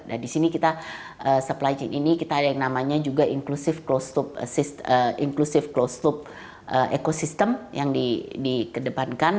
nah di sini kita supply chain ini kita ada yang namanya juga inclusive closed inclusive closed ecosystem yang dikedepankan